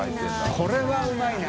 これはうまいな。